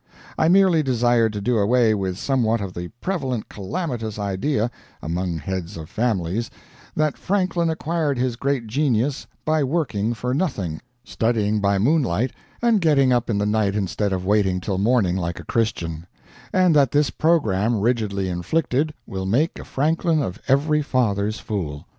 I merely desired to do away with somewhat of the prevalent calamitous idea among heads of families that Franklin acquired his great genius by working for nothing, studying by moonlight, and getting up in the night instead of waiting till morning like a Christian; and that this program, rigidly inflicted, will make a Franklin of every father's fool.